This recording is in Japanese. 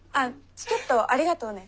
チケットありがとうね。